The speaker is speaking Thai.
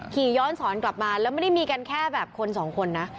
ขี่ย้อนสอนกลับมาแล้วไม่ได้มีกันแค่แบบคนสองคนนะ